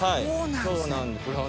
そうなんですね。